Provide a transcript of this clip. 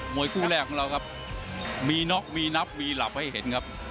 วยคู่แรกของเราครับมีน็อกมีนับมีหลับให้เห็นครับ